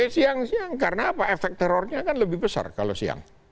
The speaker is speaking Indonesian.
siang siang karena apa efek terornya kan lebih besar kalau siang